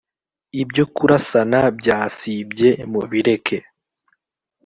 ibyo kurasana byasibye mubireke.